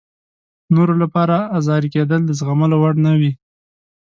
نورو لپاره ازاري کېدل د زغملو وړ نه وي.